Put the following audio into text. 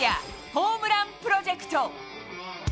ホームランプロジェクト。